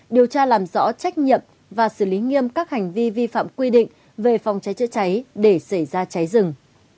điều tra làm rõ trách nhiệm và xử lý nghiêm các hành vi vi phạm quy định về phòng cháy chữa cháy để xảy ra cháy rừng